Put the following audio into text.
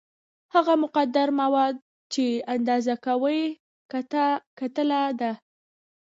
هغه مقدار مواد چې اندازه کوي کتله ده.